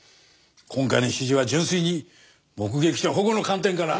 今回の指示は純粋に目撃者保護の観点から。